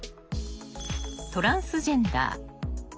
トランスジェンダー。